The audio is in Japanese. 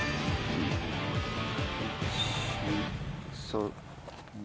１２３。